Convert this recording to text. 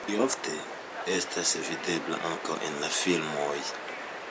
Ŝi ofte estas videbla ankaŭ en filmoj.